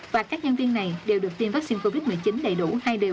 và các nhân viên này đều được tiêm vaccine covid một mươi chín đầy đủ